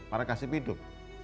para kasih biduk